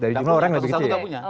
dari jumlah orang yang lebih kecil